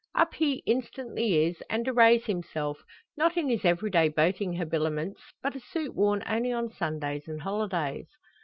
Up he instantly is and arrays himself, not in his everyday boating habiliments, but a suit worn only on Sundays and holidays.